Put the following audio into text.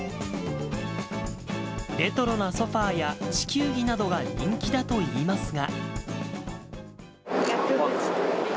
レトロなソファや地球儀などが人気だといいますが。